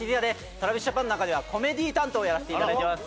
ＴｒａｖｉｓＪａｐａｎの中ではコメディー担当をやらせていただいてます